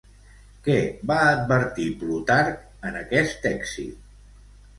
Què va advertir Plutarc en aquest èxit?